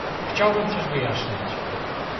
Chciałbym coś wyjaśnić